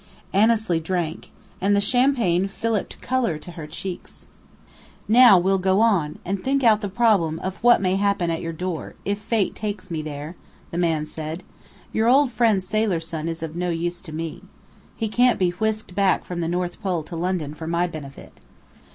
Annesley drank. And the champagne filliped colour to her cheeks. "Now we'll go on and think out the problem of what may happen at your door if Fate takes me there," the man said. "Your old friend's sailor son is no use to me. He can't be whisked back from the North Pole to London for my benefit.